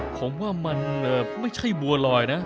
ผมว่ามันไม่ใช่บัวลอยนะ